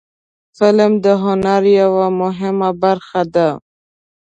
فلم د هنر یوه مهمه برخه ده